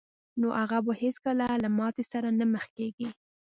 نو هغه به هېڅکله له ماتې سره نه مخ کېږي